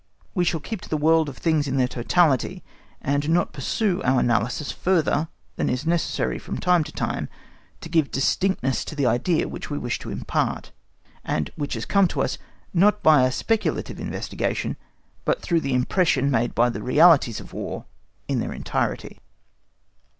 We shall keep to the world of things in their totality, and not pursue our analysis further than is necessary from time to time to give distinctness to the idea which we wish to impart, and which has come to us, not by a speculative investigation, but through the impression made by the realities of War in their entirety.